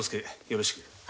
よろしく。